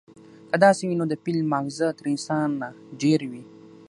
که داسې وي، نو د فيل ماغزه تر انسانه ډېر وي،